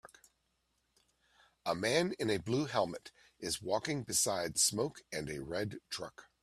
A man in a blue helmet is walking beside smoke and a red truck